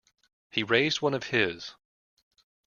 He raised one of his.